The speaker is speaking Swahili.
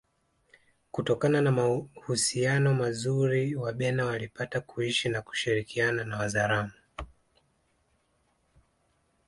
kutokana na mahusiano mazuri Wabena walipata kuishi na kushirikiana na Wazaramo